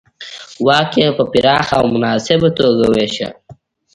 واک یې په پراخه او مناسبه توګه وېشه.